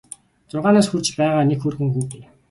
Зургаан нас хүрч байгаа нэг хөөрхөн хүү бий.